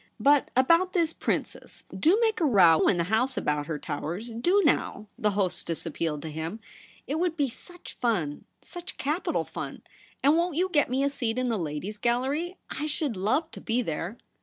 ' But about this Princess. Do make a row in the House about her, Towers — do now,' the hostess appealed to him. ' It would be such fun — such capital fun. And won't you get me a seat in the Ladies' Gallery ? I should love to be there.'